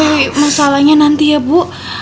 tapi masalahnya nanti ya ibu